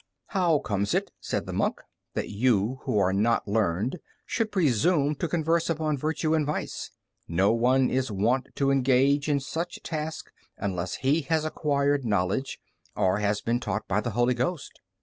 "How comes it," said the monk, "that you who are not learned should presume to converse upon virtue and vice? No one is wont to engage in such a task unless he has acquired knowledge or has been taught by the Holy Ghost.